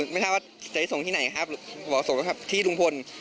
ไม่ทราบว่าจะได้ส่งที่ไหนครับหมอส่งที่ลุงพล